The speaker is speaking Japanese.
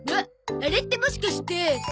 あれってもしかして。